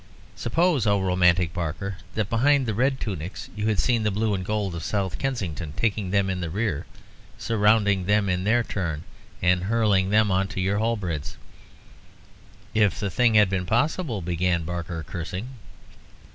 Suppose, oh, romantic Barker! that behind the red tunics you had seen the blue and gold of South Kensington taking them in the rear, surrounding them in their turn and hurling them on to your halberds." "If the thing had been possible," began Barker, cursing.